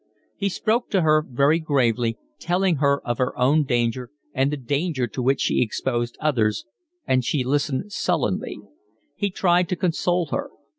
He spoke to her very gravely, telling her of her own danger and the danger to which she exposed others, and she listened sullenly. He tried to console her.